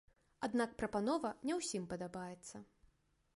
Аднак прапанова не ўсім падабаецца.